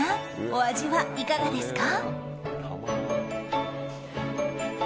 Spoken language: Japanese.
お味はいかがですか？